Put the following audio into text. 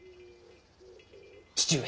父上。